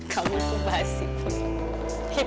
kamu tuh basi boy